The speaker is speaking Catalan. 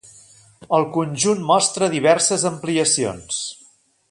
El conjunt mostra diverses ampliacions.